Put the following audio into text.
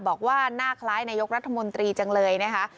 บอกว่าหน้าคล้ายนายกรัฐมนตรีจังเลยนะคะ